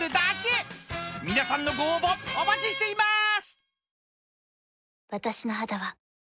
［皆さんのご応募お待ちしていまーす！］